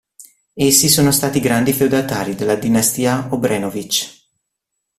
Essi sono stati grandi feudatari della dinastia Obrenović.